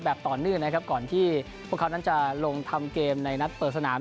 ต่อเนื่องนะครับก่อนที่พวกเขานั้นจะลงทำเกมในนัดเปิดสนาม